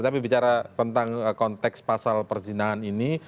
tapi bicara tentang konteks pasal perzinahan ini